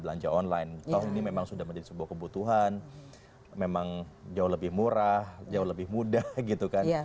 belanja online toh ini memang sudah menjadi sebuah kebutuhan memang jauh lebih murah jauh lebih mudah gitu kan apa yang harus dilakukan oleh kita sebagai